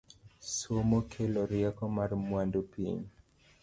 Somo kelo rieko mar mwandu piny